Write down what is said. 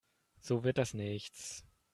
So wird das nichts.